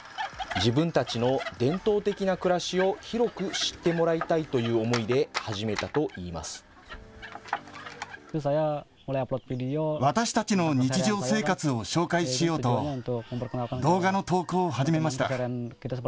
自分たちの伝統的な暮らしを広く知ってもらいたいという思いで始私たちの日常生活を紹介しようと、動画の投稿を始めました。